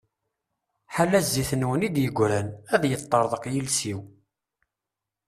Ḥala zzit-nwen i d-yegran, ad yeṭṭeṛḍeq yiles-iw!